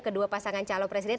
kedua pasangan calon presiden